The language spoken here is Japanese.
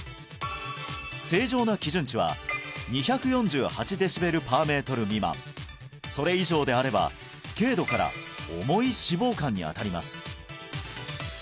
正常な基準値は２４８ｄＢ／ｍ未満それ以上であれば軽度から重い脂肪肝にあたります